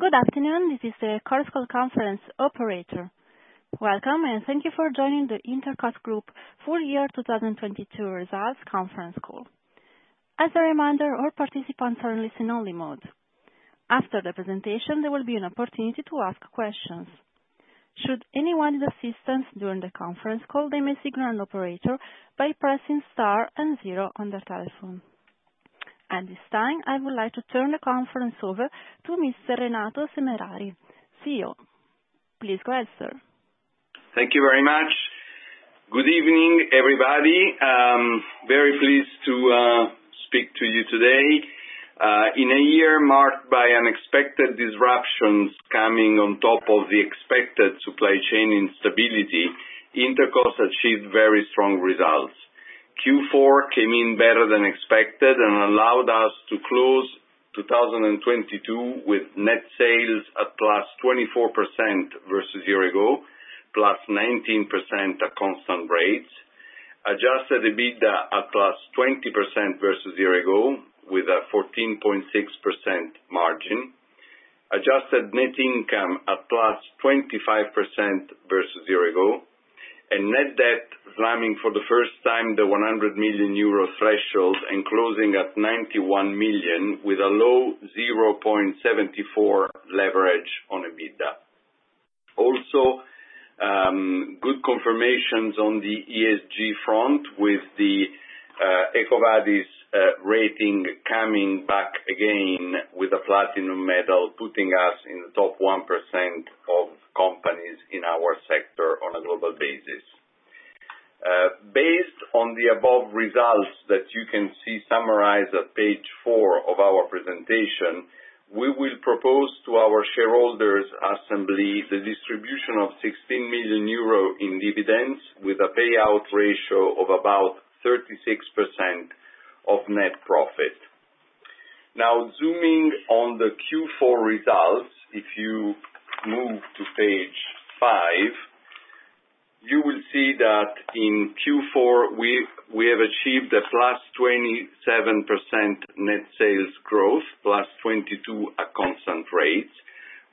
Good afternoon. This is the Chorus Call conference operator. Welcome, thank you for joining the Intercos Group full year 2022 results conference call. As a reminder, all participants are in listen-only mode. After the presentation, there will be an opportunity to ask questions. Should anyone need assistance during the conference call, they may signal an operator by pressing star and zero on their telephone. At this time, I would like to turn the conference over to Mr. Renato Semerari, CEO. Please go ahead, sir. Thank you very much. Good evening, everybody. Very pleased to speak to you today. In a year marked by unexpected disruptions coming on top of the expected supply chain instability, Intercos achieved very strong results. Q4 came in better than expected and allowed us to close 2022 with net sales at +24% versus year ago, +19% at constant rates. Adjusted EBITDA at +20% versus year ago with a 14.6% margin. Adjusted net income at +25% versus year ago. Net debt slamming for the first time, the 100 million euro threshold and closing at 91 million with a low 0.74 leverage on EBITDA. Good confirmations on the ESG front with the EcoVadis rating coming back again with a Platinum medal, putting us in the top 1% of companies in our sector on a global basis. Based on the above results that you can see summarized at page four of our presentation, we will propose to our shareholders assembly the distribution of 16 million euro in dividends with a payout ratio of about 36% of net profit. Zooming on the Q4 results, if you move to page five, you will see that in Q4, we have achieved a +27% net sales growth, +22% at constant rates,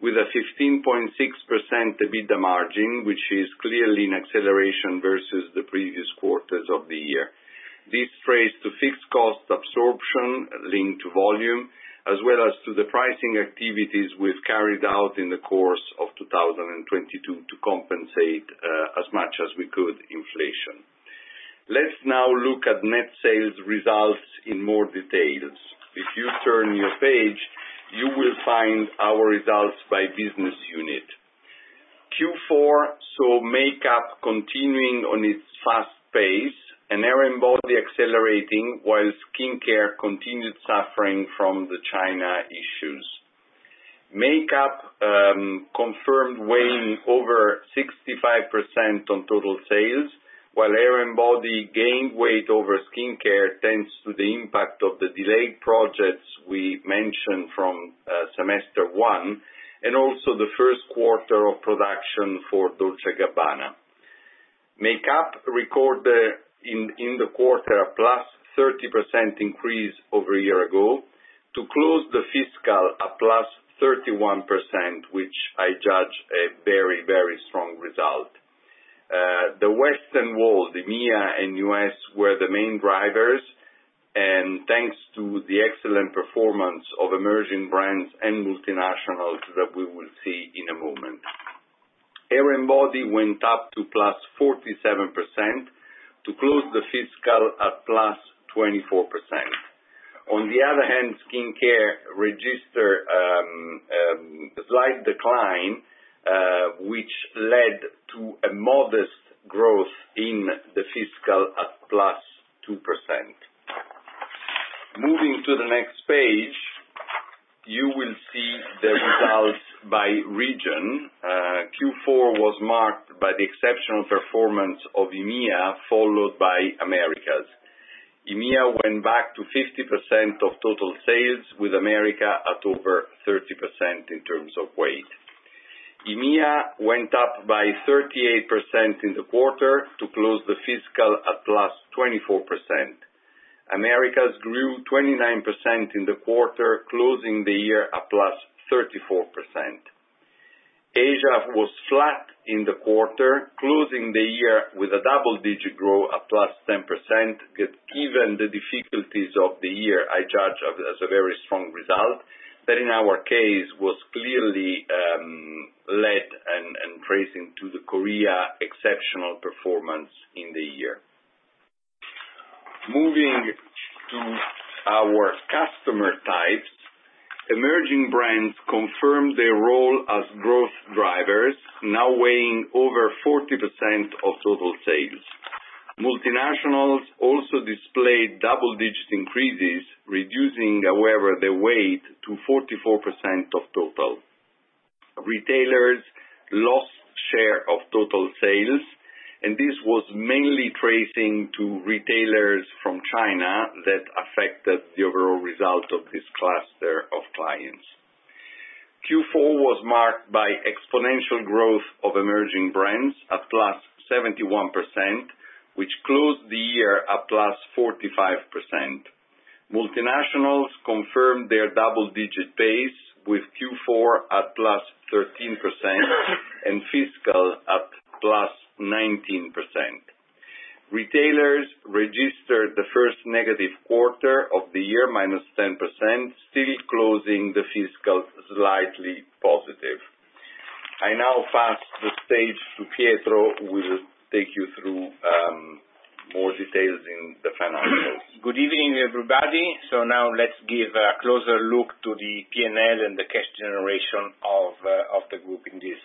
with a 15.6% EBITDA margin, which is clearly an acceleration versus the previous quarters of the year. This translates to fixed cost absorption linked to volume, as well as to the pricing activities we've carried out in the course of 2022 to compensate as much as we could inflation. Let's now look at net sales results in more details. If you turn your page, you will find our results by business unit. Q4 saw makeup continuing on its fast pace and hair and body accelerating while skincare continued suffering from the China issues. Makeup confirmed weighing over 65% on total sales, while hair and body gained weight over skincare, thanks to the impact of the delayed projects we mentioned from semester one, and also the first quarter of production for Dolce&Gabbana. Makeup recorded in the quarter a +30% increase over a year ago to close the fiscal at +31%, which I judge a very, very strong result. The Western world, the EMEA and U.S., were the main drivers, thanks to the excellent performance of emerging brands and multinationals that we will see in a moment. Hair and body went up to +47% to close the fiscal at +24%. On the other hand, skincare registered a slight decline, which led to a modest growth in the fiscal at +2%. Moving to the next page, you will see the results by region. Q4 was marked by the exceptional performance of EMEA, followed by Americas. EMEA went back to 50% of total sales, with America at over 30% in terms of weight. EMEA went up by 38% in the quarter to close the fiscal at +24%. Americas grew 29% in the quarter, closing the year at +34%. Asia was flat in the quarter, closing the year with a double-digit growth at +10%. Given the difficulties of the year, I judge as a very strong result that in our case was clearly led and tracing to the Korea exceptional performance in the year. Moving to our customer types, emerging brands confirmed their role as growth drivers, now weighing over 40% of total sales. Multinationals also displayed double-digit increases, reducing however their weight to 44% of total. Retailers lost share of total sales, this was mainly tracing to retailers from China that affected the overall result of this cluster of clients. Q4 was marked by exponential growth of emerging brands at +71%, which closed the year at +45%. Multinationals confirmed their double digit pace with Q4 at +13% and fiscal at +19%. Retailers registered the first negative quarter of the year, -10%, still closing the fiscal slightly positive. I now pass the stage to Pietro, who will take you through more details in the financials. Now let's give a closer look to the P&L and the cash generation of the group in this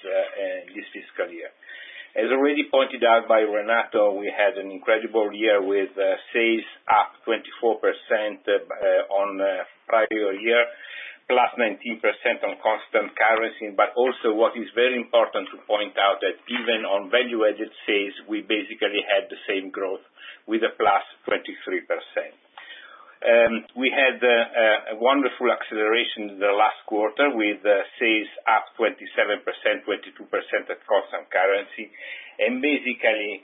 fiscal year. As already pointed out by Renato, we had an incredible year with sales up 24% on prior year, +19% on constant currency. Also what is very important to point out that even on value-added sales, we basically had the same growth with a +23%. We had a wonderful acceleration in the last quarter with sales up 27%, 22% at constant currency. Basically,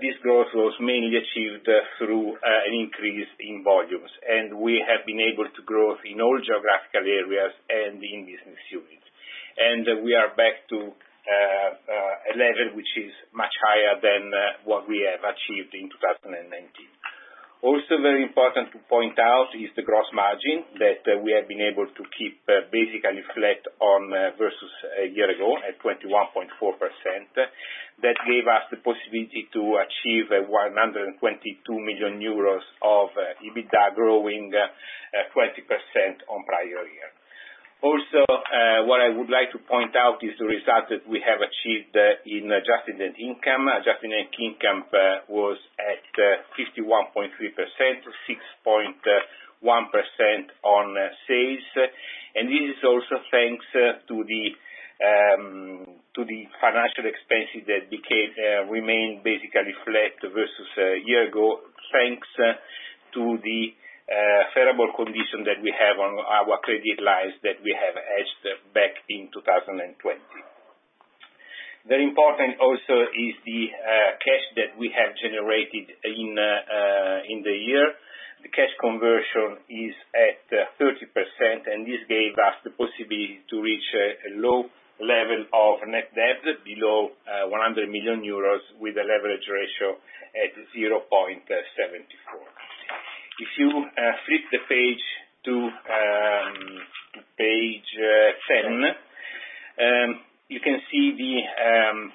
this growth was mainly achieved through an increase in volumes. We have been able to grow in all geographical areas and in business units. We are back to a level which is much higher than what we have achieved in 2019. Very important to point out is the gross margin that we have been able to keep basically flat on versus a year ago at 21.4%. That gave us the possibility to achieve 122 million euros of EBITDA growing 20% on prior year. What I would like to point out is the result that we have achieved in adjusted net income. Adjusted net income was at 51.3%, 6.1% on sales. This is also thanks to the financial expenses that remained basically flat versus a year ago, thanks to the favorable condition that we have on our credit lines that we have hedged back in 2020. Very important also is the cash that we have generated in the year. The cash conversion is at 30%, this gave us the possibility to reach a low level of net debt below 100 million euros with a leverage ratio at 0.74. If you flip the page to page 10, you can see the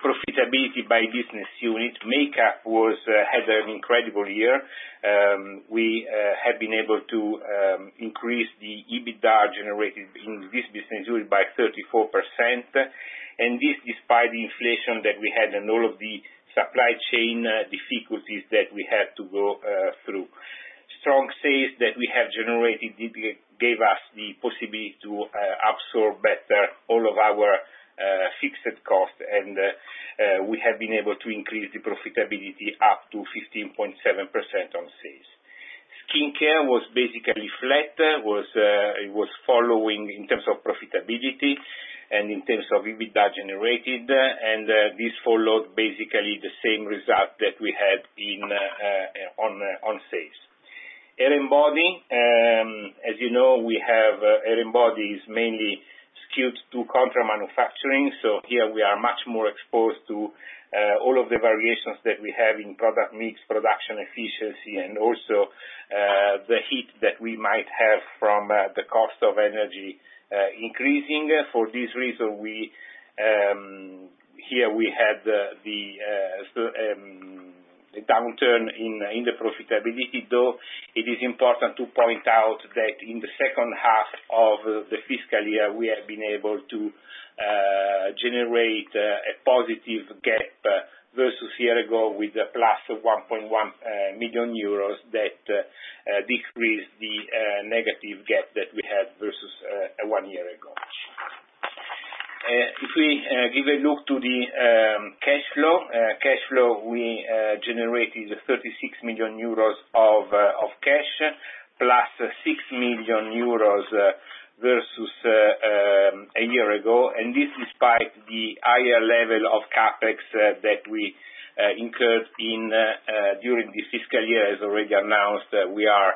profitability by business unit. Makeup was had an incredible year. We have been able to increase the EBITDA generated in this business unit by 34%. This despite the inflation that we had and all of the supply chain difficulties that we had to go through. Strong sales that we have generated gave us the possibility to absorb better all of our fixed costs. We have been able to increase the profitability up to 15.7% on sales. Skincare was basically flat. It was following in terms of profitability and in terms of EBITDA generated. This followed basically the same result that we had on sales. Hair and body, as you know, we have hair and body is mainly skewed to contract manufacturing. Here we are much more exposed to all of the variations that we have in product mix, production efficiency, and also the heat that we might have from the cost of energy increasing. For this reason, here we had a downturn in the profitability. It is important to point out that in the second half of the fiscal year, we have been able to generate a positive gap versus year ago with a +1.1 million euros that decreased the negative gap that we had versus one year ago. If we give a look to the cash flow. Cash flow, we generated 36 million euros of cash, +6 million euros versus a year ago. This despite the higher level of CapEx that we incurred in during this fiscal year. As already announced, we are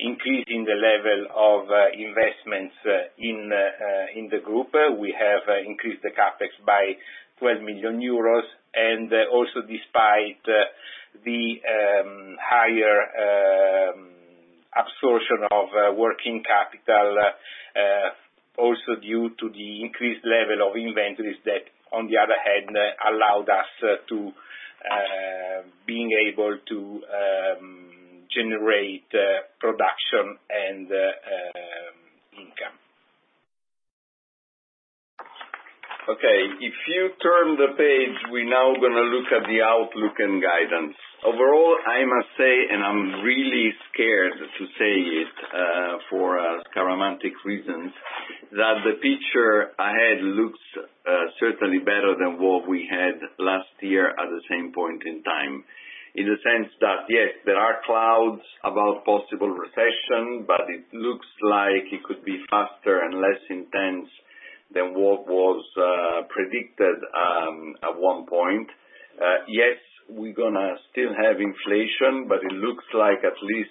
increasing the level of investments in the group. We have increased the CapEx by 12 million euros, and also despite the higher absorption of working capital, also due to the increased level of inventories that on the other hand allowed us to being able to generate production and income. Okay, if you turn the page, we're now gonna look at the outlook and guidance. Overall, I must say, I'm really scared to say it, for scaramantic reasons, that the picture ahead looks certainly better than what we had last year at the same point in time. In the sense that, yes, there are clouds about possible recession, it looks like it could be faster and less intense than what was predicted at one point. Yes, we're gonna still have inflation, it looks like at least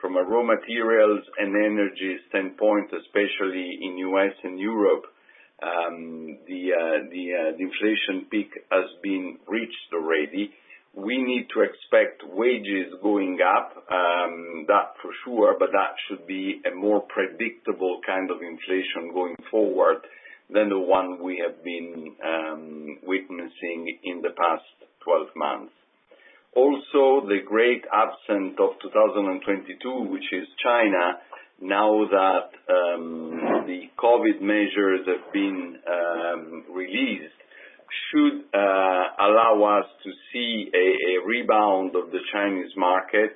from a raw materials and energy standpoint, especially in U.S. and Europe, the inflation peak has been reached already. We need to expect wages going up, that for sure, but that should be a more predictable kind of inflation going forward than the one we have been witnessing in the past 12 months. The great absent of 2022, which is China, now that the COVID measures have been released, should allow us to see a rebound of the Chinese market,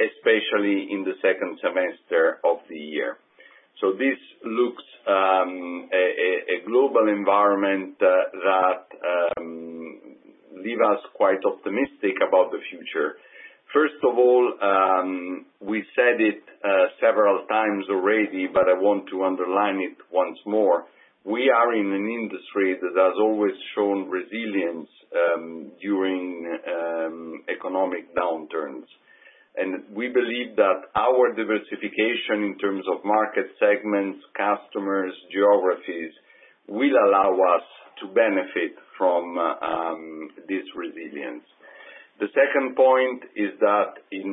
especially in the second semester of the year. This looks a global environment that leave us quite optimistic about the future. First of all, we said it several times already, but I want to underline it once more. We are in an industry that has always shown resilience during economic downturns. We believe that our diversification in terms of market segments, customers, geographies, will allow us to benefit from this resilience. The second point is that in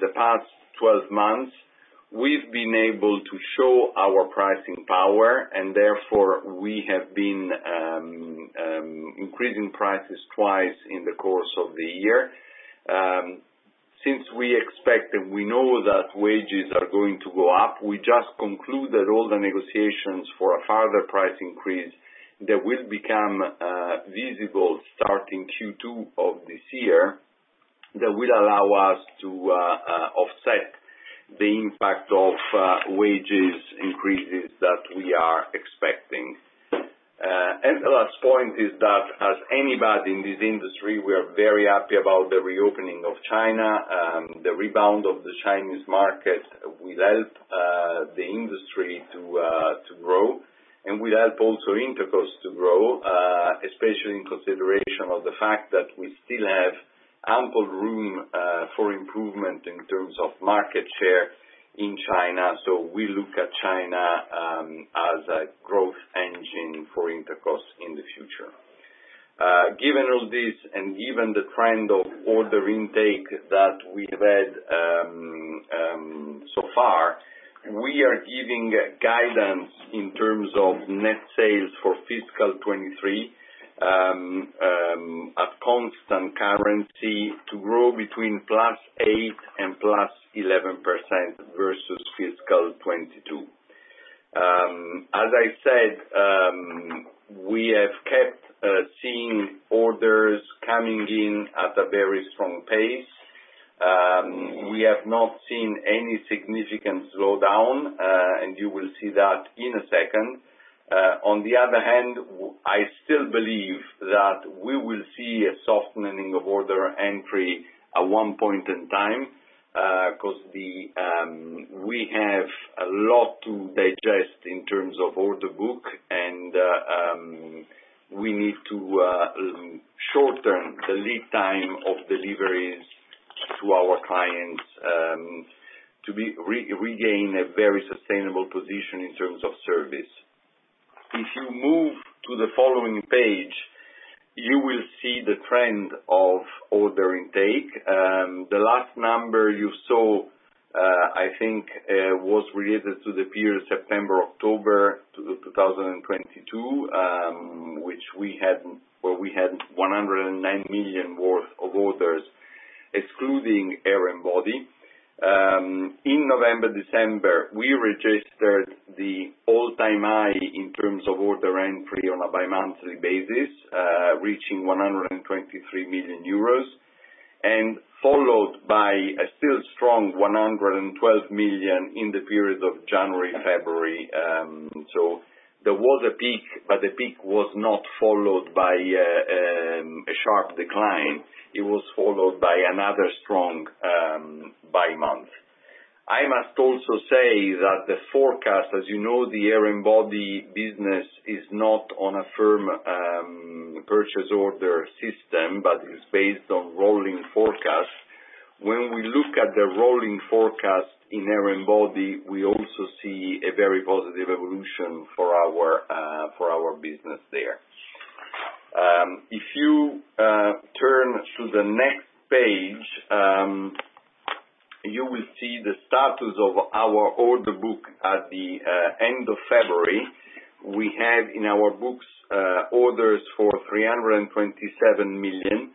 the past 12 months, we've been able to show our pricing power, we have been increasing prices twice in the course of the year. Since we expect that we know that wages are going to go up, we just conclude that all the negotiations for a further price increase that will become visible starting Q2 of this year, that will allow us to offset the impact of wages increases that we are expecting. The last point is that as anybody in this industry, we are very happy about the reopening of China. The rebound of the Chinese market will help the industry to grow, and will help also Intercos to grow, especially in consideration of the fact that we still have ample room for improvement in terms of market share in China. We look at China as a growth engine for Intercos in the future. Given all this, and given the trend of order intake that we have had so far, we are giving guidance in terms of net sales for fiscal 2023 at constant currency to grow between +8% and +11% versus fiscal 2022. As I said, we have kept seeing orders coming in at a very strong pace. We have not seen any significant slowdown, you will see that in a second. On the other hand, I still believe that we will see a softening of order entry at one point in time, 'cause the we have a lot to digest in terms of order book, and we need to shorten the lead time of deliveries to our clients, to regain a very sustainable position in terms of service. If you move to the following page, you will see the trend of order intake. The last number you saw, I think, was related to the period September, October to the 2022, which we had, where we had 109 million worth of orders excluding hair and body. In November, December, we registered the all-time high in terms of order entry on a bimonthly basis, reaching 123 million euros, and followed by a still strong 112 million in the period of January, February. There was a peak, but the peak was not followed by a sharp decline. It was followed by another strong bimonth. I must also say that the forecast, as you know, the hair and body business is not on a firm purchase order system, but is based on rolling forecast. When we look at the rolling forecast in hair and body, we also see a very positive evolution for our for our business there. If you turn to the next page, you will see the status of our order book at the end of February. We have in our books, orders for 327 million.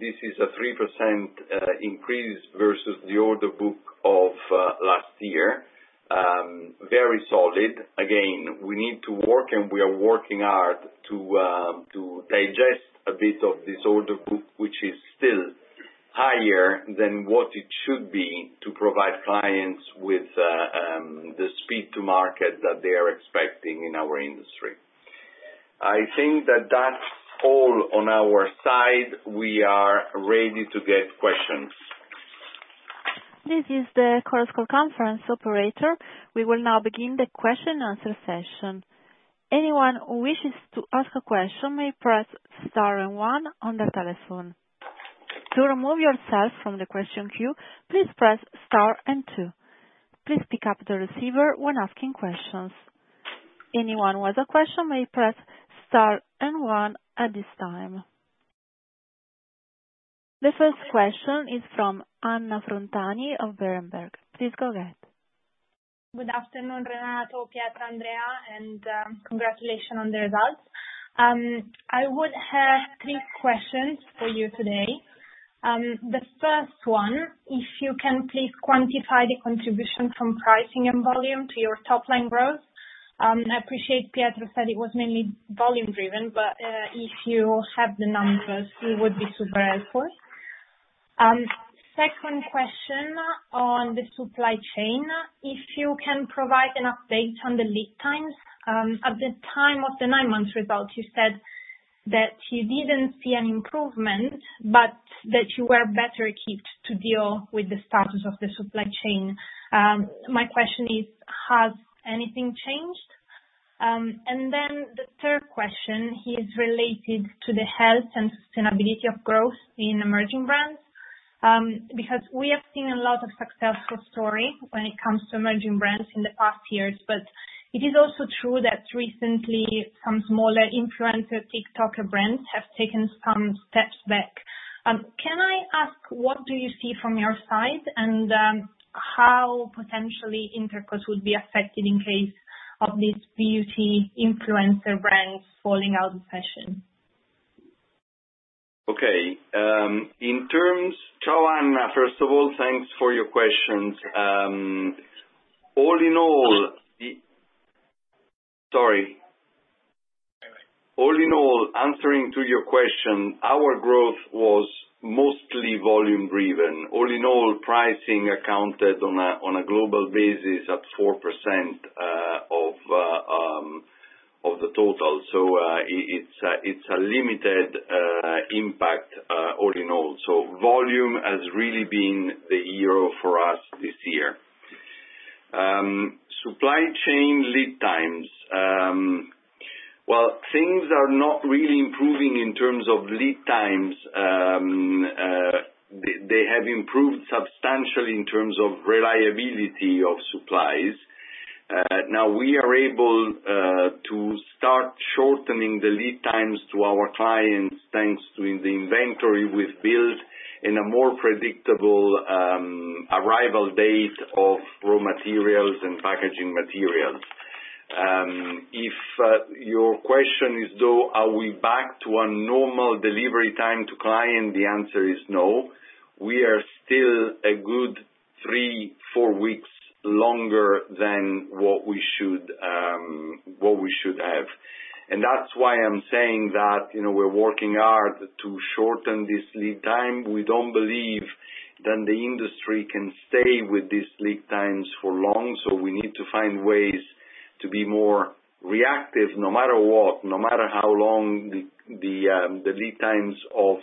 This is a 3% increase versus the order book of last year. Very solid. Again, we need to work, and we are working hard to digest a bit of this order book, which is still higher than what it should be to provide clients with the speed to market that they are expecting in our industry. I think that that's all on our side. We are ready to get questions. This is the conference operator. We will now begin the question and answer session. Anyone who wishes to ask a question may press star and one on their telephone. To remove yourself from the question queue, please press star and two. Please pick up the receiver when asking questions. Anyone with a question may press star and one at this time. The first question is from Anna Frontani of Berenberg. Please go ahead. Good afternoon, Renato, Pietro, Andrea, and congratulations on the results. I would have three questions for you today. The first one, if you can please quantify the contribution from pricing and volume to your top line growth. I appreciate Pietro said it was mainly volume driven, if you have the numbers, it would be super helpful. Second question on the supply chain, if you can provide an update on the lead times, at the time of the nine-month results, you said that you didn't see an improvement, but that you were better equipped to deal with the status of the supply chain. My question is, has anything changed? The third question is related to the health and sustainability of growth in emerging brands, because we have seen a lot of successful story when it comes to emerging brands in the past years. It is also true that recently some smaller influencer TikTok brands have taken some steps back. Can I ask what do you see from your side and how potentially Intercos would be affected in case of these beauty influencer brands falling out of fashion? Okay. Ciao, Anna, first of all, thanks for your questions. All in all, answering to your question, our growth was mostly volume driven. All in all, pricing accounted on a global basis at 4% of the total. It's a limited impact all in all. Volume has really been the year for us this year. Supply chain lead times. Well, things are not really improving in terms of lead times. They have improved substantially in terms of reliability of supplies. Now we are able to start shortening the lead times to our clients, thanks to the inventory we've built in a more predictable arrival date of raw materials and packaging materials. If your question is though, are we back to a normal delivery time to client? The answer is no. We are still a good three, four weeks longer than what we should, what we should have. That's why I'm saying that, you know, we're working hard to shorten this lead time. We don't believe that the industry can stay with these lead times for long, we need to find ways to be more reactive no matter what, no matter how long the lead times of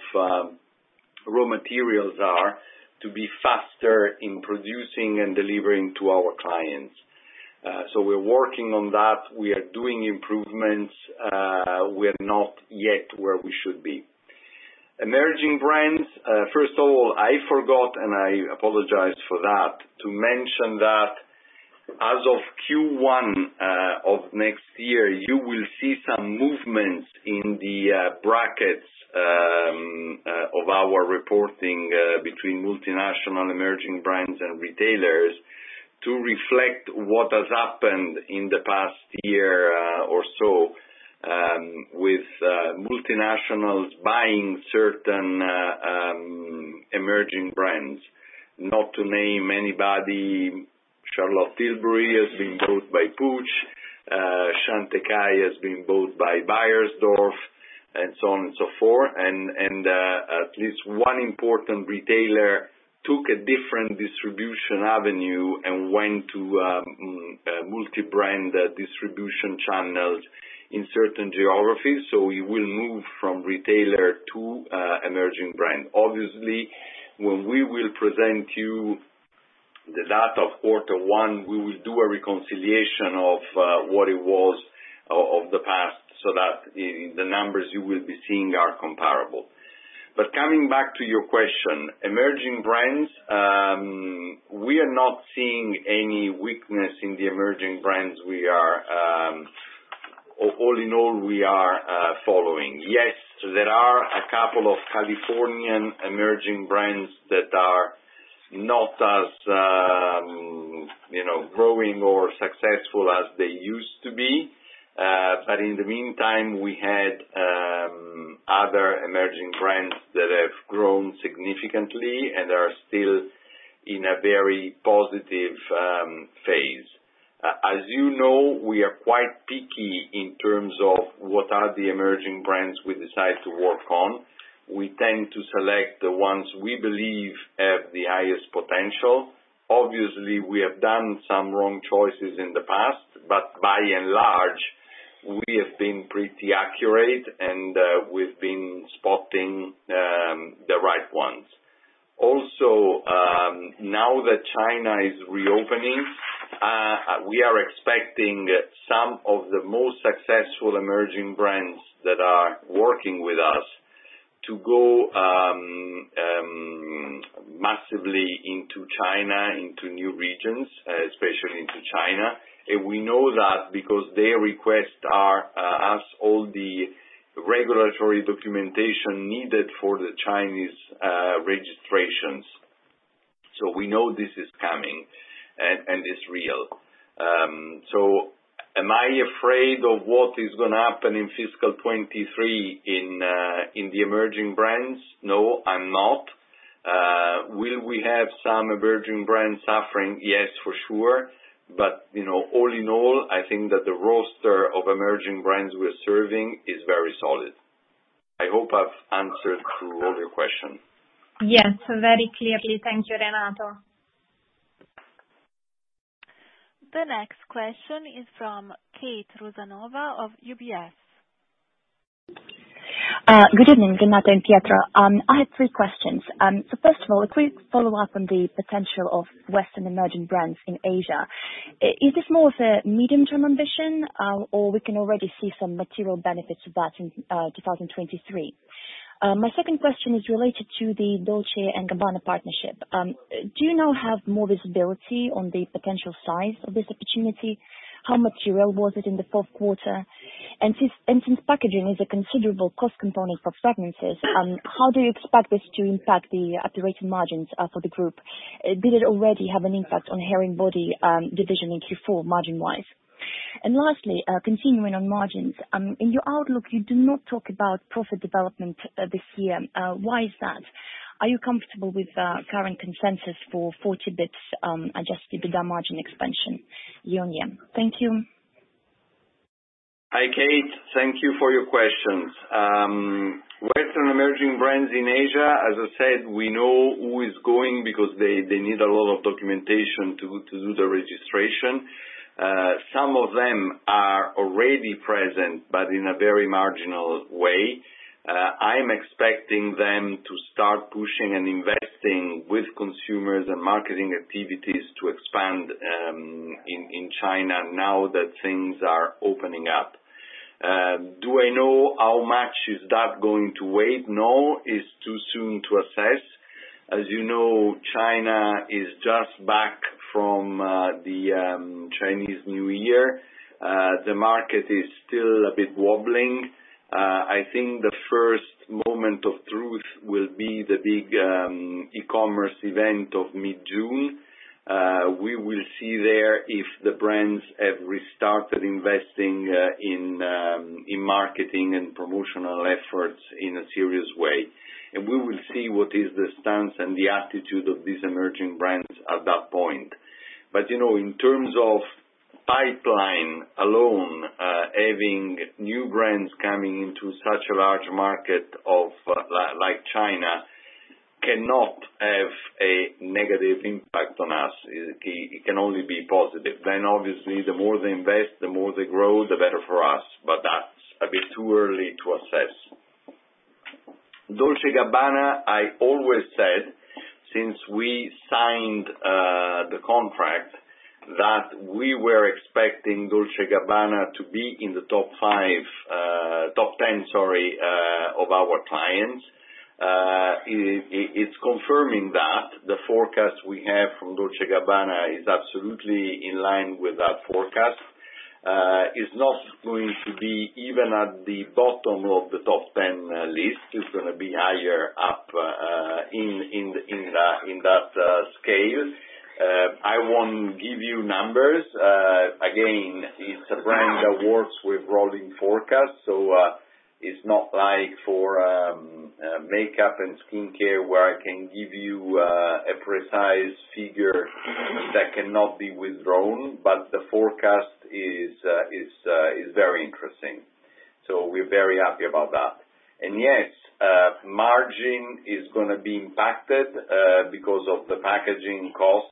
raw materials are to be faster in producing and delivering to our clients. We're working on that. We are doing improvements. We are not yet where we should be. Emerging brands, first of all, I forgot, and I apologize for that, to mention that as of Q1 of next year, you will see some movements in the brackets of our reporting between multinational and emerging brands and retailers to reflect what has happened in the past year or so, with multinationals buying certain emerging brands. Not to name anybody. Charlotte Tilbury has been bought by Puig, Chantecaille has been bought by Beiersdorf and so on and so forth. At least one important retailer took a different distribution avenue and went to a multi-brand distribution channels in certain geographies. We will move from retailer to emerging brand. Obviously, when we will present you the data of quarter one, we will do a reconciliation of what it was of the past so that the numbers you will be seeing are comparable. Coming back to your question, emerging brands, we are not seeing any weakness in the emerging brands. We are, all in all, we are following. Yes, there are a couple of Californian emerging brands that are not as, you know, growing or successful as they used to be. In the meantime, we had other emerging brands that have grown significantly and are still in a very positive phase. As you know, we are quite picky in terms of what are the emerging brands we decide to work on. We tend to select the ones we believe have the highest potential. Obviously, we have done some wrong choices in the past, but by and large, we have been pretty accurate, and we've been spotting the right ones. Also, now that China is reopening, we are expecting some of the most successful emerging brands that are working with us to go massively into China, into new regions, especially into China. We know that because they request our ask all the regulatory documentation needed for the Chinese registrations. We know this is coming and it's real. Am I afraid of what is gonna happen in fiscal 2023 in the emerging brands? No, I'm not. Will we have some emerging brands suffering? Yes, for sure. You know, all in all, I think that the roster of emerging brands we're serving is very solid. I hope I've answered to all your question. Yes, very clearly. Thank you, Renato. The next question is from Kate Rusanova of UBS. Good evening, Renato and Pietro. I have three questions. First of all, a quick follow-up on the potential of western emerging brands in Asia. Is this more of a medium-term ambition, or we can already see some material benefits of that in 2023? My second question is related to the Dolce&Gabbana partnership. Do you now have more visibility on the potential size of this opportunity? How material was it in the fourth quarter? Since packaging is a considerable cost component for fragrances, how do you expect this to impact the operating margins for the group? Did it already have an impact on hair and body division in Q4, margin-wise? Lastly, continuing on margins, in your outlook, you do not talk about profit development this year. Why is that? Are you comfortable with the current consensus for 40 basis points, adjusted EBITDA margin expansion year-on-year? Thank you. Hi, Kate. Thank you for your questions. Western emerging brands in Asia, as I said, we know who is going because they need a lot of documentation to do the registration. Some of them are already present, but in a very marginal way. I'm expecting them to start pushing and investing with consumers and marketing activities to expand in China now that things are opening up. Do I know how much is that going to weigh? No, it's too soon to assess. As you know, China is just back from the Chinese New Year. The market is still a bit wobbling. I think the first moment of truth will be the big e-commerce event of mid-June. We will see there if the brands have restarted investing in marketing and promotional efforts in a serious way. We will see what is the stance and the attitude of these emerging brands at that point. You know, in terms of pipeline alone, having new brands coming into such a large market of, like China cannot have a negative impact on us. It can only be positive. Obviously, the more they invest, the more they grow, the better for us, but that's a bit too early to assess. Dolce&Gabbana, I always said, since we signed the contract that we were expecting Dolce&Gabbana to be in the top five, top 10, sorry, of our clients. It's confirming that. The forecast we have from Dolce&Gabbana is absolutely in line with that forecast. It's not going to be even at the bottom of the top 10 list. It's gonna be higher up in that scale. I won't give you numbers. Again, it's a brand that works with rolling forecast. It's not like for makeup and skincare, where I can give you a precise figure that cannot be withdrawn. The forecast is very interesting. We're very happy about that. Yes, margin is gonna be impacted because of the packaging costs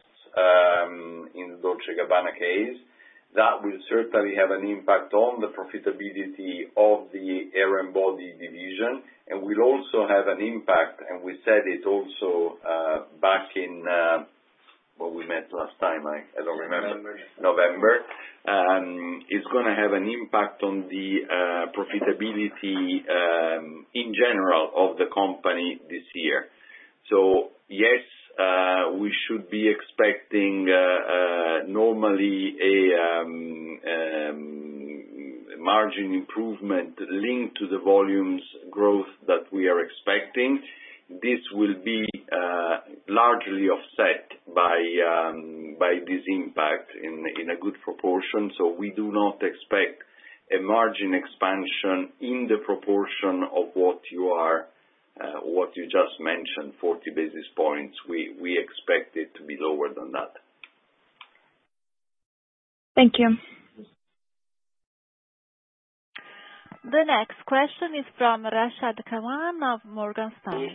in Dolce&Gabbana case. That will certainly have an impact on the profitability of the hair and body division. Will also have an impact, and we said it also back in when we met last time. I don't remember. November. November. It's gonna have an impact on the profitability in general of the company this year. Yes, we should be expecting normally a margin improvement linked to the volumes growth that we are expecting. This will be largely offset by this impact in a good proportion. We do not expect a margin expansion in the proportion of what you just mentioned, 40 basis points. We expect it to be lower than that. Thank you. The next question is from Rashad Kawan of Morgan Stanley.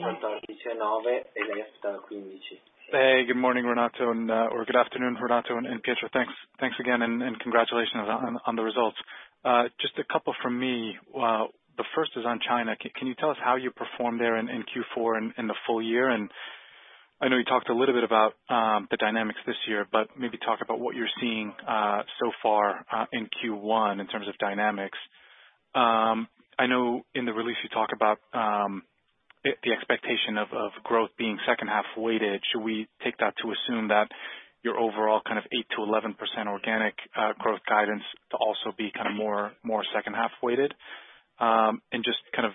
Hey, good morning, Renato, and or good afternoon, Renato and Pietro. Thanks again and congratulations on the results. Just a couple from me. The first is on China. Can you tell us how you performed there in Q4 in the full year? I know you talked a little bit about the dynamics this year, but maybe talk about what you're seeing so far in Q1 in terms of dynamics. I know in the release you talk about the expectation of growth being second half weighted. Should we take that to assume that your overall kind of 8%-11% organic growth guidance to also be kind of more second half weighted? Just kind of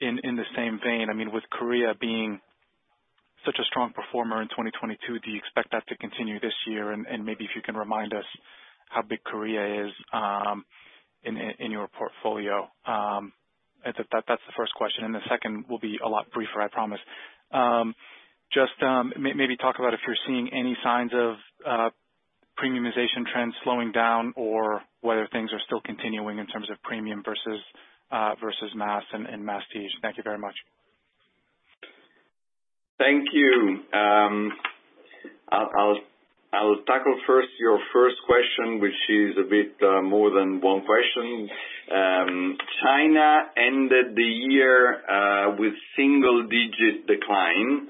in the same vein, I mean, with Korea being such a strong performer in 2022, do you expect that to continue this year? Maybe if you can remind us how big Korea is in your portfolio? That's the first question. The second will be a lot briefer, I promise. Maybe talk about if you're seeing any signs of premiumization trends slowing down or whether things are still continuing in terms of premium versus mass and masstige. Thank you very much. Thank you. I'll tackle first your first question, which is a bit more than one question. China ended the year with single digit decline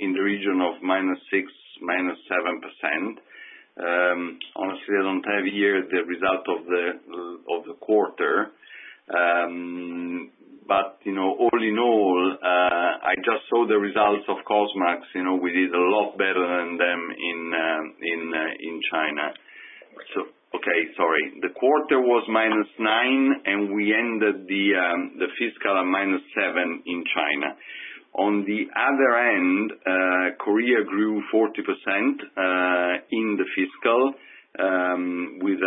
in the region of -6%, -7%. Honestly, I don't have here the result of the of the quarter. You know, all in all, I just saw the results of Cosmax. You know, we did a lot better than them in in China. Okay, sorry. The quarter was -9%, and we ended the fiscal at -7% in China. On the other hand, Korea grew 40% in the fiscal with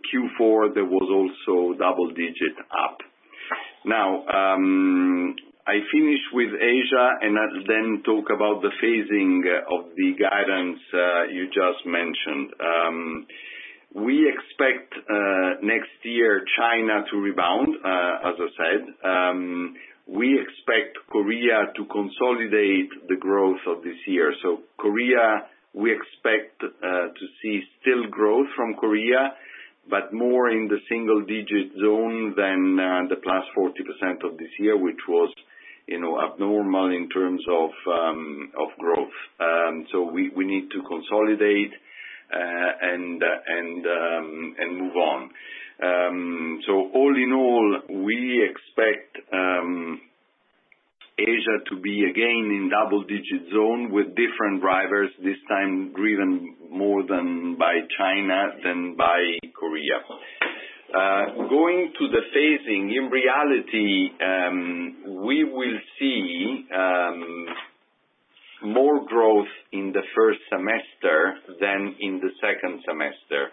Q4, there was also double digit up. I finish with Asia, and I then talk about the phasing of the guidance you just mentioned. We expect next year China to rebound, as I said. We expect Korea to consolidate the growth of this year. Korea, we expect to see still growth from Korea, but more in the single-digit zone than the +40% of this year, which was, you know, abnormal in terms of growth. We need to consolidate and move on. All in all, we expect Asia to be again in double-digit zone with different drivers, this time driven more than by China than by Korea. Going to the phasing, in reality, we will see more growth in the first semester than in the second semester.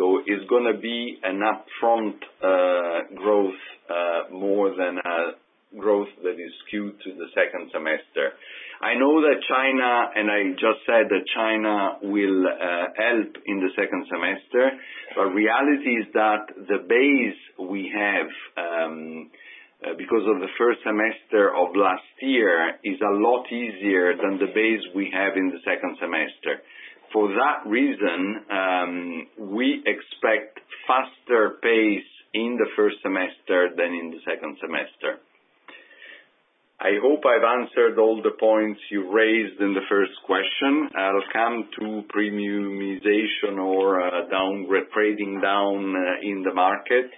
It's gonna be an upfront growth more than a growth that is skewed to the second semester. I know that China, and I just said that China will help in the second semester, but reality is that the base we have because of the first semester of last year, is a lot easier than the base we have in the second semester. For that reason, we expect faster pace in the first semester than in the second semester. I hope I've answered all the points you raised in the first question. I'll come to premiumization or trading down in the market.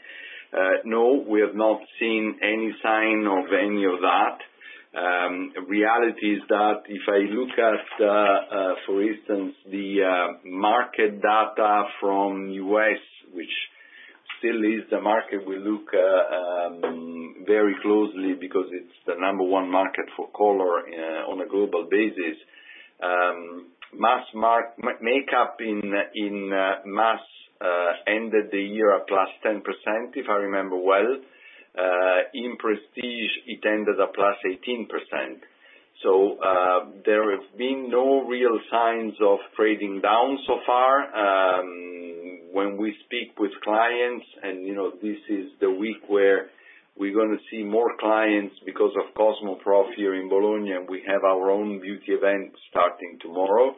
No, we have not seen any sign of any of that. Reality is that if I look at, for instance, the market data from U.S., which still is the market we look very closely because it's the number one market for color on a global basis. Makeup in mass ended the year at +10%, if I remember well. In prestige, it ended at +18%. There have been no real signs of trading down so far. When we speak with clients, and, you know, this is the week where we're gonna see more clients because of Cosmoprof here in Bologna, and we have our own beauty event starting tomorrow.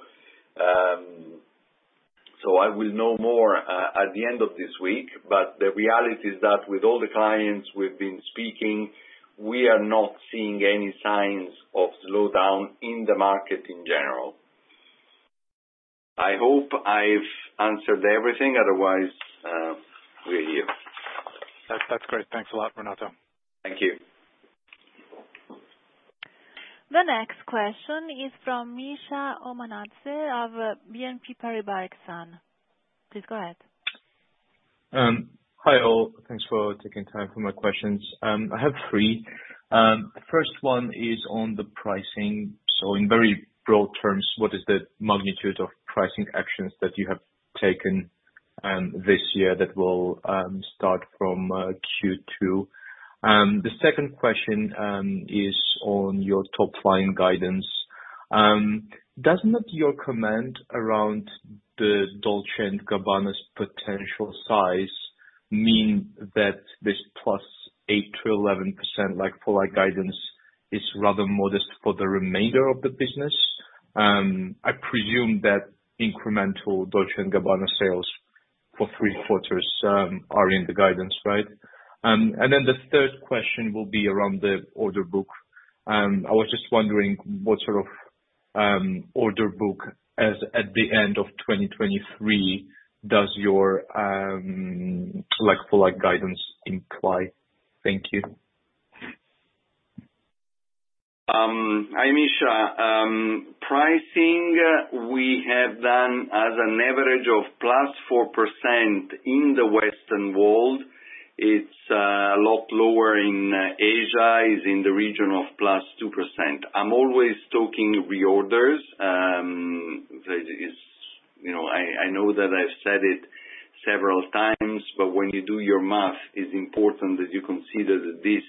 I will know more at the end of this week. The reality is that with all the clients we've been speaking, we are not seeing any signs of slowdown in the market in general. I hope I've answered everything, otherwise, we're here. That's great. Thanks a lot, Renato. Thank you. The next question is from Mikheil Omanadze of BNP Paribas. Please go ahead. Hi, all. Thanks for taking time for my questions. I have three. First one is on the pricing. In very broad terms, what is the magnitude of pricing actions that you have taken this year that will start from Q2? The second question is on your top line guidance. Does not your comment around the Dolce&Gabbana's potential size mean that this +8%-11% like-for-like guidance is rather modest for the remainder of the business? I presume that incremental Dolce&Gabbana sales for three quarters are in the guidance, right? The third question will be around the order book. I was just wondering what sort of order book at the end of 2023 does your like-for-like guidance imply. Thank you. Hi, Misha. Pricing, we have done as an average of +4% in the Western world. It's a lot lower in Asia, is in the region of +2%. I'm always talking reorders, that is, you know, I know that I've said it several times, but when you do your math, it's important that you consider that this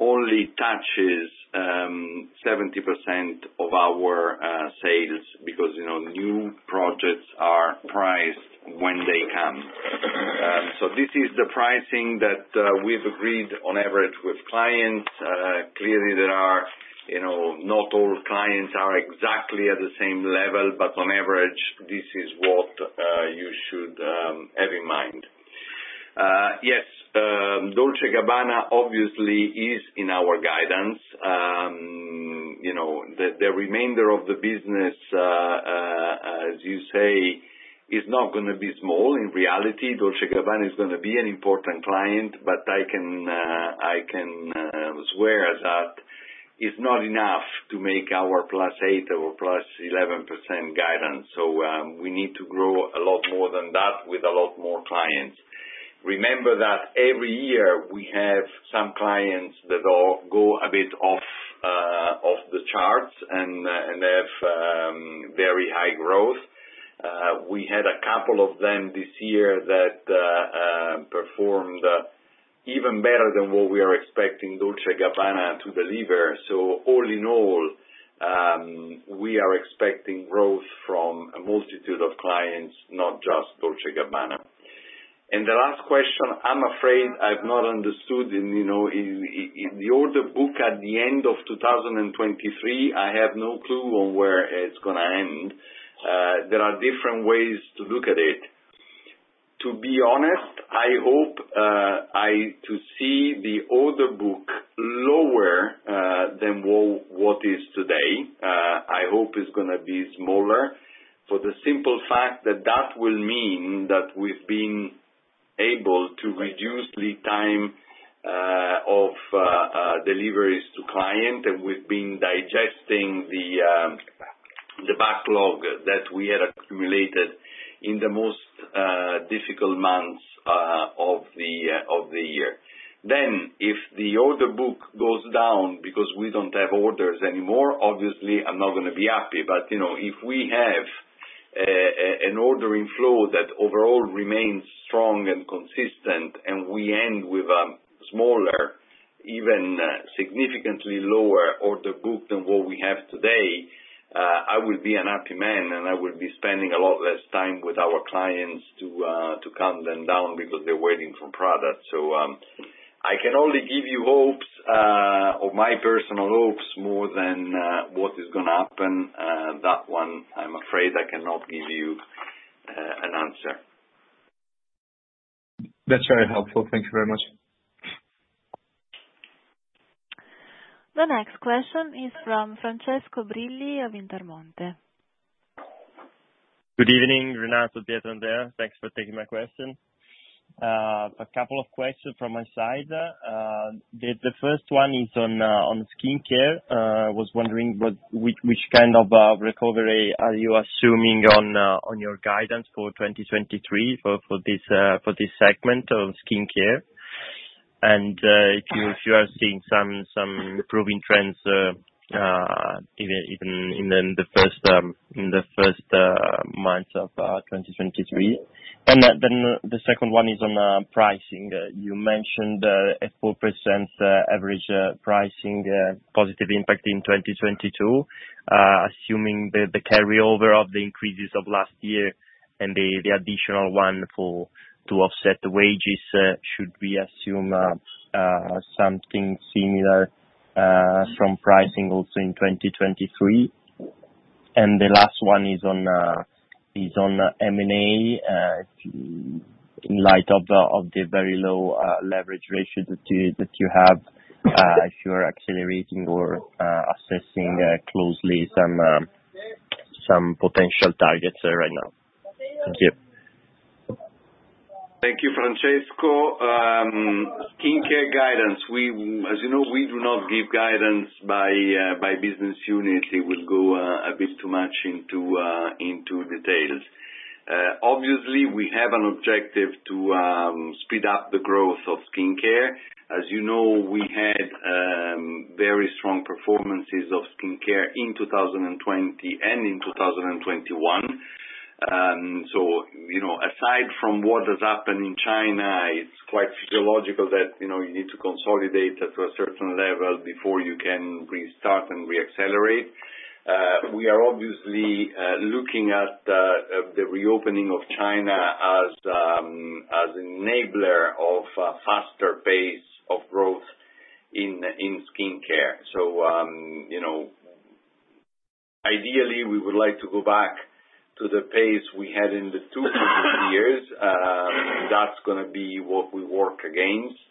only touches 70% of our sales because, you know, new projects are priced when they come. This is the pricing that we've agreed on average with clients. Clearly there are, you know, not all clients are exactly at the same level, but on average, this is what you should have in mind. Yes, Dolce&Gabbana obviously is in our guidance. You know, the remainder of the business, as you say, is not gonna be small. In reality, Dolce&Gabbana is gonna be an important client, but I can swear that it's not enough to make our +8% or +11% guidance. We need to grow a lot more than that with a lot more clients. Remember that every year, we have some clients that all go a bit off the charts and have very high growth. We had a couple of them this year that performed even better than what we are Dolce&Gabbana to deliver. All in all, we are expecting growth from a multitude of clients, not just Dolce&Gabbana. The last question, I'm afraid I've not understood and, you know, in the order book at the end of 2023, I have no clue on where it's gonna end. There are different ways to look at it. To be honest, I hope I to see the order book lower than what is today. I hope it's gonna be smaller for the simple fact that that will mean that we've been able to reduce lead time of deliveries to client and we've been digesting the backlog that we had accumulated in the most difficult months of the year. If the order book goes down because we don't have orders anymore, obviously I'm not gonna be happy. You know, if we have an ordering flow that overall remains strong and consistent, and we end with a smaller, even significantly lower order book than what we have today, I will be a happy man, and I will be spending a lot less time with our clients to calm them down because they're waiting for product. I can only give you hopes, or my personal hopes more than what is gonna happen. That one, I'm afraid I cannot give you an answer. That's very helpful. Thank you very much. The next question is from Francesco Brilli of Intermonte. Good evening, Renato, Pietro, and Andrea. Thanks for taking my question. A couple of questions from my side. The first one is on skincare. Was wondering which kind of recovery are you assuming on your guidance for 2023 for this segment of skincare? If you are seeing some improving trends even in the first months of 2023. The second one is on pricing. You mentioned a 4% average pricing positive impact in 2022. Assuming the carryover of the increases of last year and the additional one for to offset the wages, should we assume something similar from pricing also in 2023? The last one is on M&A. In light of the very low leverage ratio that you have, if you are accelerating or assessing closely some potential targets right now. Thank you. Thank you, Francesco. Skincare guidance, we as you know, we do not give guidance by business unit. It will go a bit too much into details. Obviously, we have an objective to speed up the growth of skincare. As you know, we had very strong performances of skincare in 2020 and in 2021. You know, aside from what has happened in China, it's quite physiological that, you know, you need to consolidate at a certain level before you can restart and re-accelerate. We are obviously looking at the reopening of China as enabler of a faster pace of growth in skincare. You know, ideally we would like to go back to the pace we had in the two previous years. That's gonna be what we work against,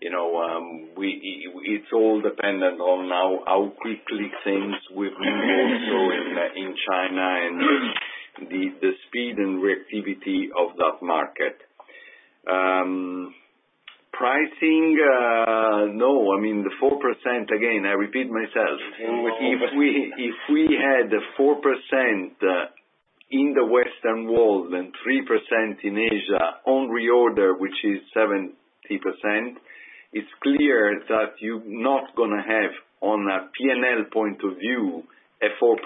you know, it's all dependent on now how quickly things will move also in China and the speed and reactivity of that market. Pricing, no, I mean the 4% again, I repeat myself. If we, if we had 4% in the Western world and 3% in Asia on reorder, which is 70%, it's clear that you're not gonna have, on a P&L point of view, a 4%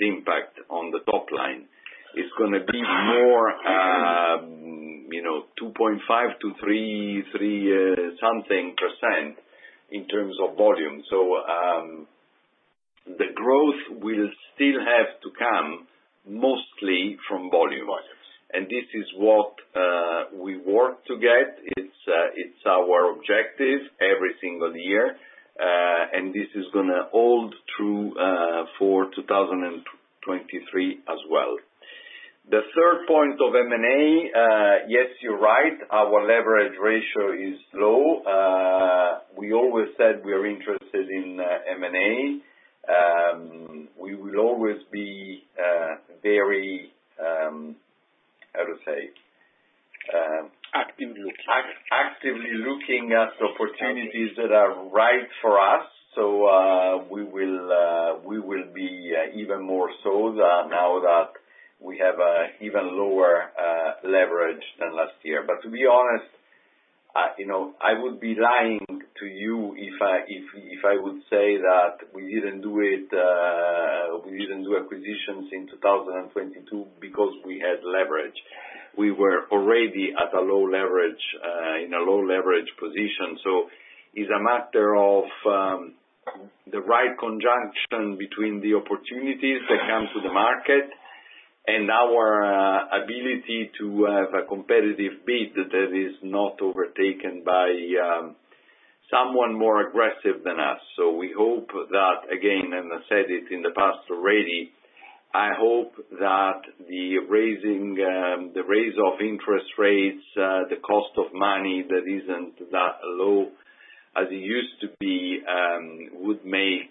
impact on the top line. It's gonna be more, you know, 2.5%-3% something percent in terms of volume. The growth will still have to come mostly from volume. This is what we work to get. It's our objective every single year. This is gonna hold true for 2023 as well. The third point of M&A, yes, you're right, our leverage ratio is low. We always said we are interested in M&A. We will always be very, how to say? Actively looking. Actively looking at opportunities that are right for us. We will, we will be even more so now that we have a even lower leverage than last year. To be honest, you know, I would be lying to you if I would say that we didn't do it, we didn't do acquisitions in 2022 because we had leverage. We were already at a low leverage in a low leverage position. It's a matter of the right conjunction between the opportunities that come to the market and our ability to have a competitive bid that is not overtaken by someone more aggressive than us. We hope that, again, and I said it in the past already, I hope that the raising, the raise of interest rates, the cost of money that isn't that low as it used to be, would make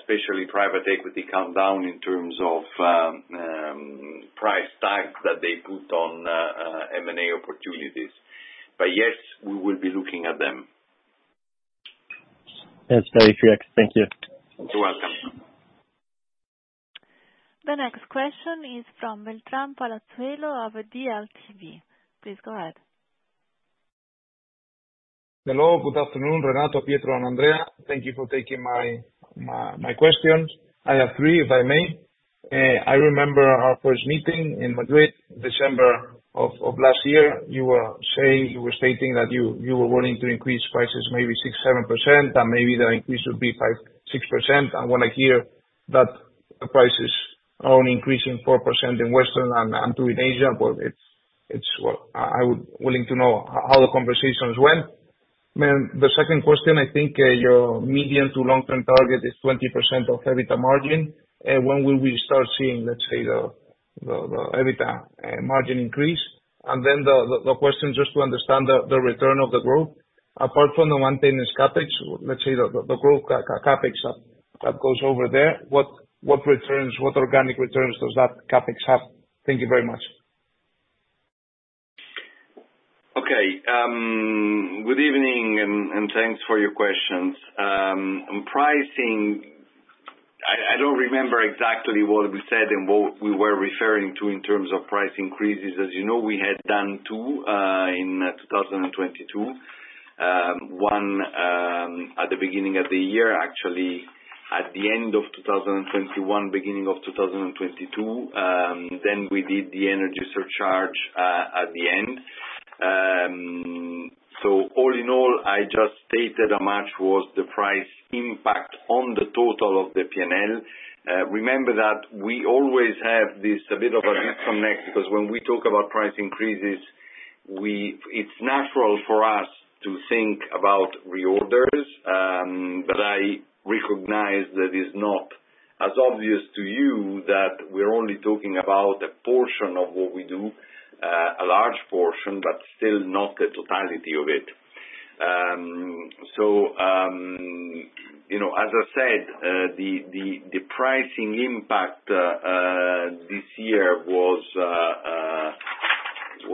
especially private equity come down in terms of price tags that they put on M&A opportunities. yes, we will be looking at them. That's very clear. Thank you. You're welcome. The next question is from Beltrán Palazuelo of DLTV. Please go ahead. Hello, good afternoon, Renato, Pietro, and Andrea. Thank you for taking my questions. I have three, if I may. I remember our first meeting in Madrid, December of last year. You were stating that you were wanting to increase prices maybe 6%-7%, and maybe the increase would be 5%-6%. I wanna hear that the prices are only increasing 4% in Western and 2% in Asia, but it's what I would willing to know how the conversations went. The second question, I think, your medium to long-term target is 20% of EBITDA margin. When will we start seeing, let's say, the EBITDA margin increase? The question just to understand the return of the growth. Apart from the maintenance CapEx, let's say the growth CapEx that goes over there, what returns, what organic returns does that CapEx have? Thank you very much. Okay, good evening and thanks for your questions. On pricing, I don't remember exactly what we said and what we were referring to in terms of price increases. As you know, we had done two in 2022. One at the beginning of the year, actually at the end of 2021, beginning of 2022, then we did the energy surcharge at the end. All in all, I just stated how much was the price impact on the total of the P&L. Remember that we always have this, a bit of a disconnect because when we talk about price increases, it's natural for us to think about reorders. I recognize that it's not as obvious to you that we're only talking about a portion of what we do, a large portion, but still not the totality of it. You know, as I said, the pricing impact this year was 4%.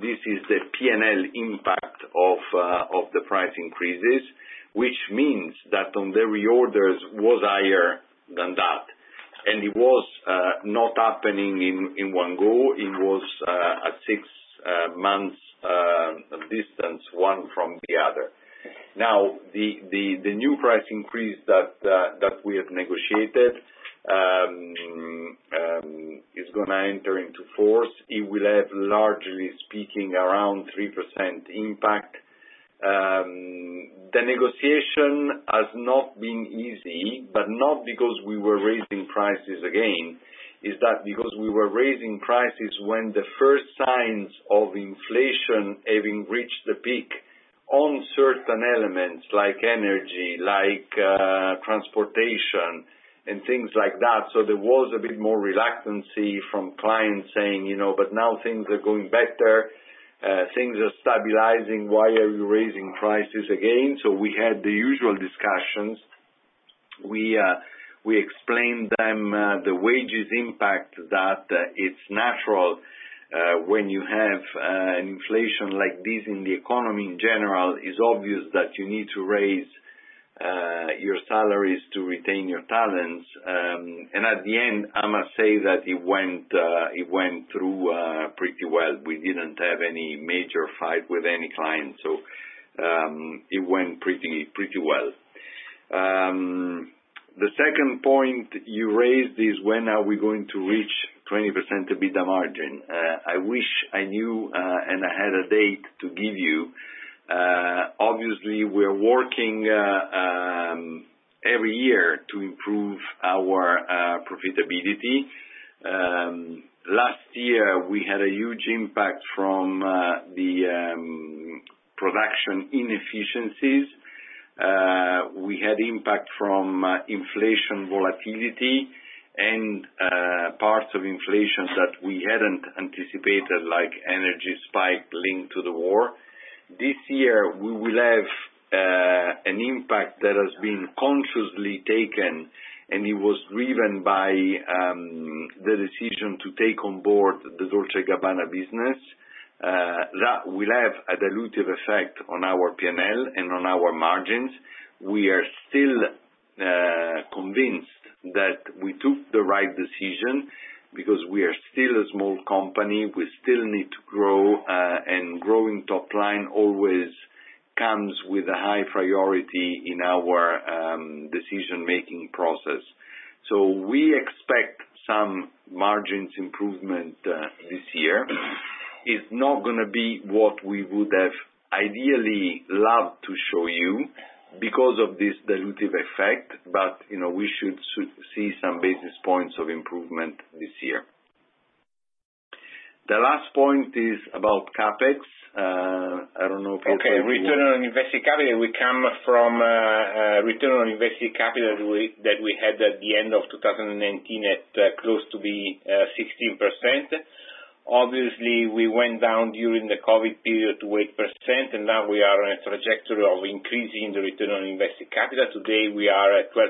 This is the P&L impact of the price increases, which means that on the reorders was higher than that. It was not happening in one go. It was a six months distance, one from the other. Now, the new price increase that we have negotiated is going to enter into force. It will have, largely speaking, around 3% impact. The negotiation has not been easy, but not because we were raising prices again Is that because we were raising prices when the first signs of inflation having reached the peak on certain elements like energy, like, transportation and things like that. There was a bit more reluctancy from clients saying, you know, "But now things are going better, things are stabilizing. Why are you raising prices again?" We had the usual discussions. We, we explained them, the wages impact that it's natural, when you have, an inflation like this in the economy, in general, it's obvious that you need to raise, your salaries to retain your talents. At the end, I must say that it went, it went through, pretty well. We didn't have any major fight with any client. It went pretty well. The second point you raised is when are we going to reach 20% EBITDA margin? I wish I knew, and I had a date to give you. Obviously, we're working every year to improve our profitability. Last year we had a huge impact from the production inefficiencies. We had impact from inflation volatility and parts of inflation that we hadn't anticipated, like energy spike linked to the war. This year we will have an impact that has been consciously taken, and it was driven by the decision to take on board the Dolce&Gabbana business that will have a dilutive effect on our P&L and on our margins. We are still convinced that we took the right decision because we are still a small company. We still need to grow, and growing top line always comes with a high priority in our decision-making process. We expect some margins improvement this year. It's not gonna be what we would have ideally loved to show you because of this dilutive effect, but, you know, we should see some basis points of improvement this year. The last point is about CapEx. I don't know Okay. Return on invested capital. We come from return on invested capital that we had at the end of 2019 at close to be 16%. Obviously, we went down during the COVID period to 8%, and now we are on a trajectory of increasing the return on invested capital. Today, we are at 12%,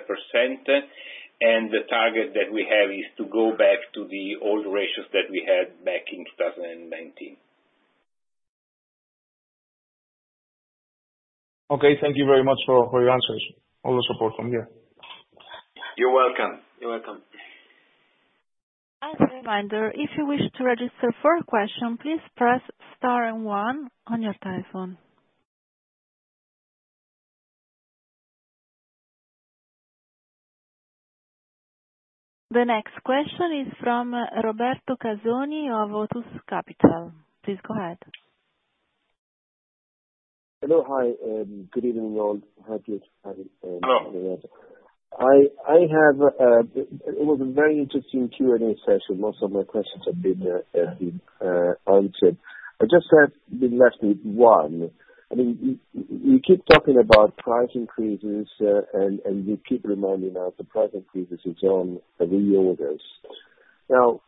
and the target that we have is to go back to the old ratios that we had back in 2019. Okay, thank you very much for your answers. All the support from here. You're welcome. You're welcome. As a reminder, if you wish to register for a question, please press star and one on your telephone. The next question is from Roberto Casoni of Otus Capital. Please go ahead. Hello. Hi, good evening all. Happy to have you. Hello. I have, it was a very interesting Q&A session. Most of my questions have been answered. I just have been left with one. I mean, you keep talking about price increases, and you keep reminding us the price increases is on the reorders. Now,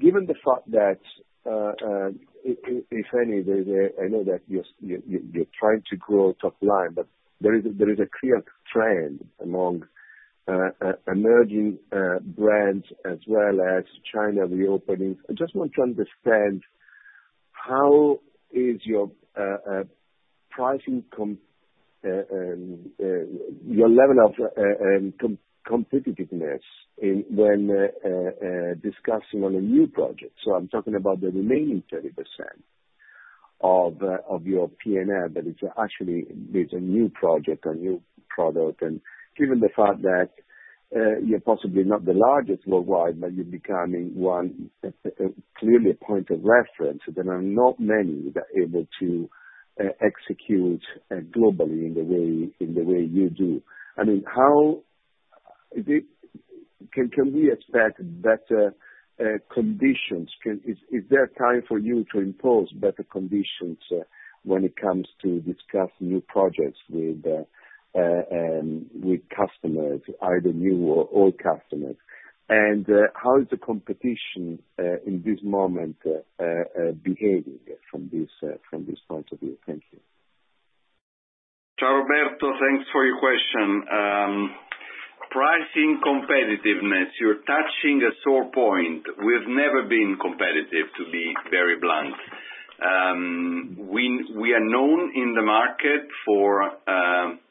given the fact that, if any, I know that you're trying to grow top line, but there is a clear trend among emerging brands as well as China reopening. I just want to understand how is your pricing, your level of competitiveness when discussing on a new project. I'm talking about the remaining 30% of your P&L that is actually is a new project, a new product. Given the fact that you're possibly not the largest worldwide, but you're becoming one, clearly a point of reference. There are not many that are able to execute globally in the way you do. I mean, how? Can we expect better conditions? Is there a time for you to impose better conditions when it comes to discuss new projects with customers, either new or old customers? How is the competition in this moment behaving from this point of view? Thank you. Ciao, Roberto. Thanks for your question. Pricing competitiveness, you're touching a sore point. We've never been competitive, to be very blunt. We are known in the market for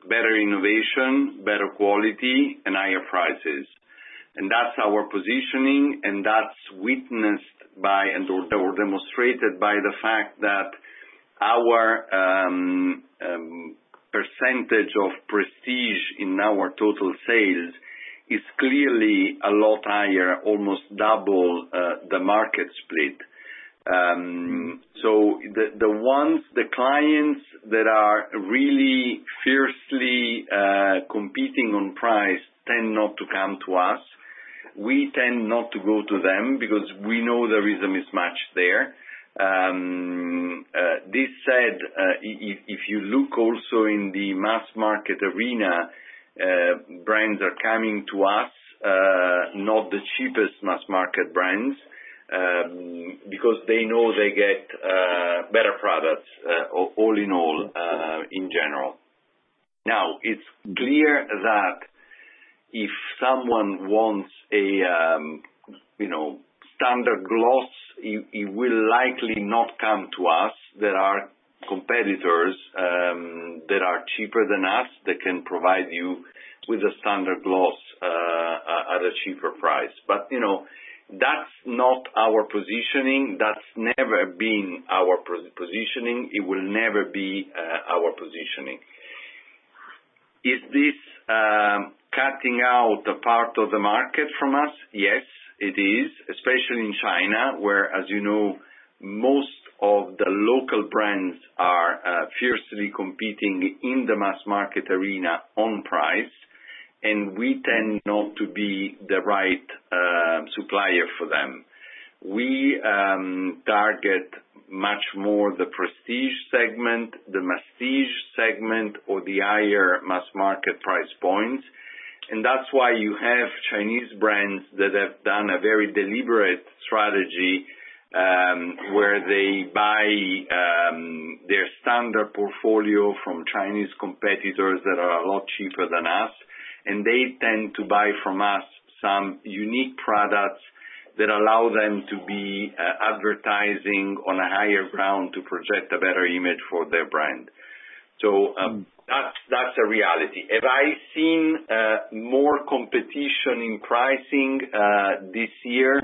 better innovation, better quality, and higher prices. That's our positioning, and that's witnessed by, and or demonstrated by the fact that our percentage of prestige in our total sales is clearly a lot higher, almost double the market split. The ones, the clients that are really fiercely competing on price tend not to come to us. We tend not to go to them because we know there is a mismatch there. This said, if you look also in the mass market arena, brands are coming to us, not the cheapest mass market brands, because they know they get better products, all in all, in general. Now, it's clear that if someone wants a, you know, standard gloss, he will likely not come to us. There are competitors that are cheaper than us, that can provide you with a standard gloss at a cheaper price. You know, that's not our positioning. That's never been our positioning. It will never be our positioning. Is this cutting out a part of the market from us? Yes, it is, especially in China, where, as you know, most of the local brands are fiercely competing in the mass market arena on price, we tend not to be the right supplier for them. We target much more the prestige segment, the masstige segment, or the higher mass market price points, that's why you have Chinese brands that have done a very deliberate strategy, where they buy their standard portfolio from Chinese competitors that are a lot cheaper than us, they tend to buy from us some unique products that allow them to be advertising on a higher ground to project a better image for their brand. That's a reality. Have I seen more competition in pricing this year?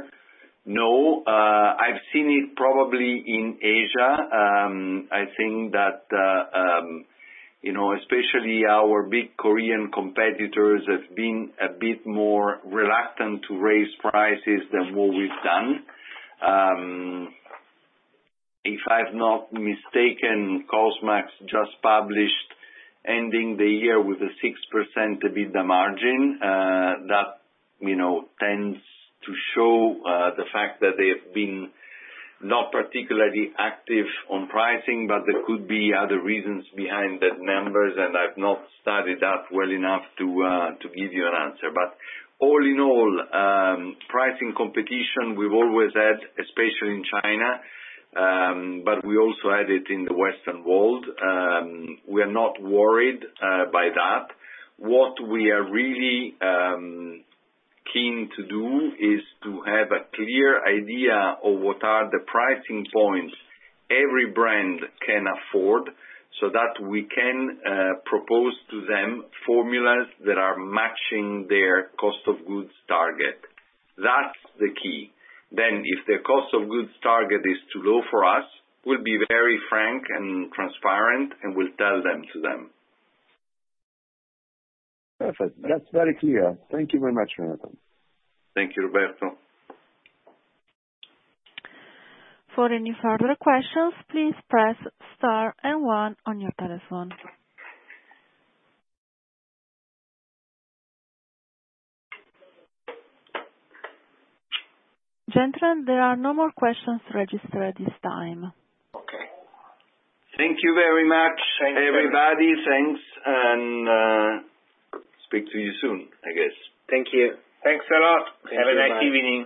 No. I've seen it probably in Asia. I think that, you know, especially our big Korean competitors have been a bit more reluctant to raise prices than what we've done. If I've not mistaken, Cosmax just published ending the year with a 6% EBITDA margin, that, you know, tends to show the fact that they have been not particularly active on pricing. There could be other reasons behind the numbers, and I've not studied that well enough to give you an answer. All in all, pricing competition, we've always had, especially in China, but we also had it in the Western world. We're not worried by that. What we are really keen to do is to have a clear idea of what are the pricing points every brand can afford, so that we can propose to them formulas that are matching their cost of goods target. That's the key. If their cost of goods target is too low for us, we'll be very frank and transparent, and we'll tell them to them. Perfect. That's very clear. Thank you very much, Renato. Thank you, Roberto. For any further questions, please press star and one on your telephone. Gentlemen, there are no more questions registered at this time. Okay. Thank you very much, everybody. Thanks. Thanks. Speak to you soon, I guess. Thank you. Thanks a lot. Have a nice evening.